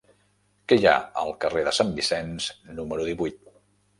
Què hi ha al carrer de Sant Vicenç número divuit?